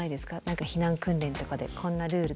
避難訓練とかでこんなルールで。